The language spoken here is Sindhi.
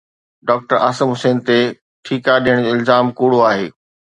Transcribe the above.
ڊاڪٽر عاصم حسين تي ٺيڪا ڏيڻ جو الزام ڪوڙو آهي